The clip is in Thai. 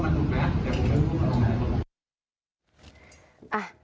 ไม่รู้ก็ออกมา